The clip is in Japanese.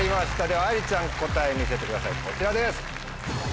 ではあいりちゃん答え見せてくださいこちらです。